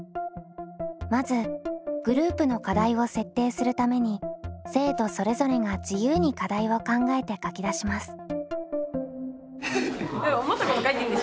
まずグループの課題を設定するために生徒それぞれが自由に課題を考えて書き出します。